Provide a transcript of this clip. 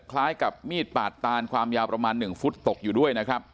คล้ายกับมีดปาดตานความยาวประมาณ๑ฟุตตกอยู่ด้วยนะครับ